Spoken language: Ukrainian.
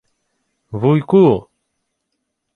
— Вуйку...